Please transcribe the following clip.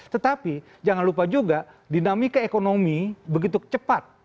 tetapi jangan lupa juga dinamika ekonomi begitu cepat